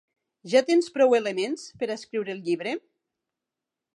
Ja tens prou elements per a escriure el llibre?